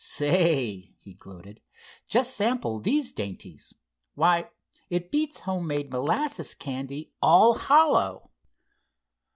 "Say," he gloated, "just sample these dainties! Why, it beats homemade molasses candy all hollow!"